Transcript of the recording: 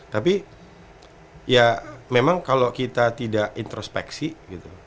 tapi ya memang kalau kita tidak introspeksi gitu